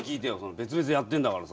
別々でやってるんだからさ。